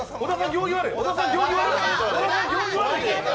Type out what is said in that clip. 行儀悪い！